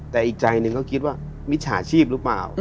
แต่อีกใจหนึ่งก็คิดว่ามิจฉาชีพหรือเปล่า